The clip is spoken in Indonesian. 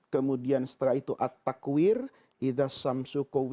kemudian setelah itu